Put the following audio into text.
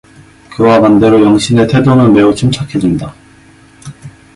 그와 반대로 영신의 태도는 매우 침착해진다.